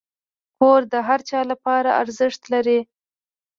کور د هر چا لپاره ارزښت لري.